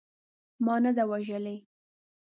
ما نه ده وژلې.